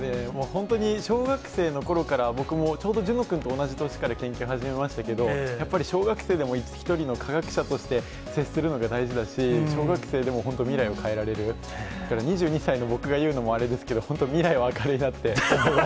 本当に小学生のころから、僕もちょうど諄之君と同じ年から研究始めましたけど、やっぱり小学生でも、１人の科学者として接するのが大事だし、小学生でも本当、未来を変えられる、２２歳の僕が言うのもあれですけど、本当、未来は明るいなって思い